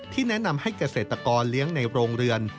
แนะนำให้เกษตรกรเลี้ยงในโรงเรือน